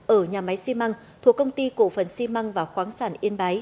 ở nhà máy xi măng thuộc công ty cổ phần xi măng và khoáng sản yên bái